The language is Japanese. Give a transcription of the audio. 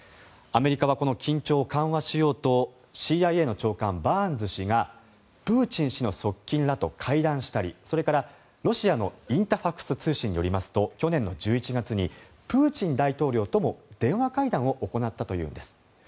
アメリカはこの緊張を緩和しようとＣＩＡの長官、バーンズ氏がプーチン氏の側近らと会談したりそれから、ロシアのインタファクス通信によりますと去年１１月にプーチン大統領とも電話会談を行ったというんです。